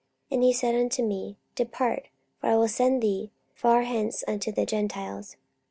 44:022:021 And he said unto me, Depart: for I will send thee far hence unto the Gentiles.